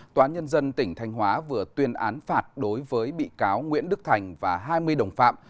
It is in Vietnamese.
tòa án nhân dân tỉnh thanh hóa vừa tuyên án phạt đối với bị cáo nguyễn đức thành và hai mươi đồng phạm